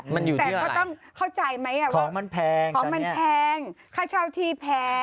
มันอยู่ที่อะไรของมันแพงตอนนี้ของมันแพงค่าเช่าที่แพง